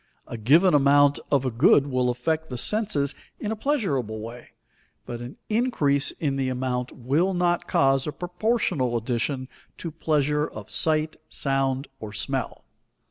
A given amount of a good will affect the senses in a pleasurable way, but an increase in the amount will not cause a proportional addition to pleasure of sight, sound, or smell.